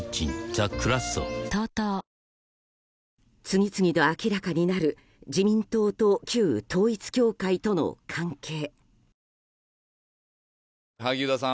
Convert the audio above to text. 次々と明らかになる自民党と旧統一教会との関係。